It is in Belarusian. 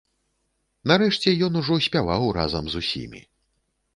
Нарэшце ён ужо спяваў разам з усімі.